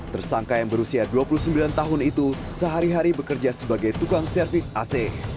tersangka yang berusia dua puluh sembilan tahun itu sehari hari bekerja sebagai tukang servis ac